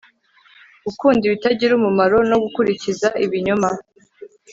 gukunda ibitagira umumaro no gukurikiza ibinyoma